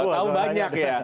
tahu tahu banyak ya